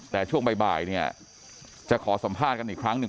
แต่ช่วงบ่ายเนี่ยจะขอสัมภาษณ์กันอีกครั้งหนึ่ง